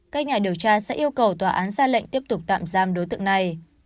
các nhà điều tra sẽ yêu cầu tòa án ra lệnh tiếp tục tạm giam đối tượng này